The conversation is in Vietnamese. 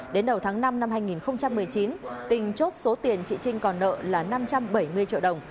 đến đầu tháng năm năm hai nghìn một mươi chín tình chốt số tiền chị trinh còn nợ là năm trăm bảy mươi triệu đồng